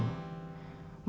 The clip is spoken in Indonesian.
tapi aku gak tahu